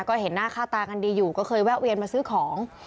ก็เห็นหน้าค่าตากันดีอยู่ก็เคยแวะเวียนมาซื้อของ